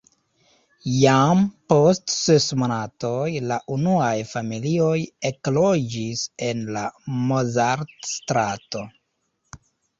Jam post ses monatoj la unuaj familioj ekloĝis en la Mozart-strato.